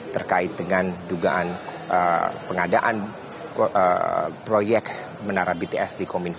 terkait dengan dugaan pengadaan proyek menara bts